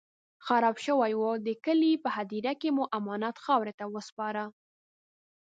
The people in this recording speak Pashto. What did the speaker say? خراب شوی و، د کلي په هديره کې مو امانت خاورو ته وسپاره.